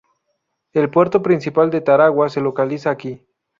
El puerto principal de Tarawa se localiza aquí.